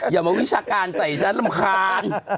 อย่ามาวิชาการใส่ฉันรำคาญ